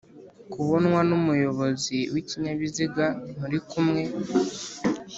kubonwa n'umuyobozi w'ikinyabiziga muri kumwe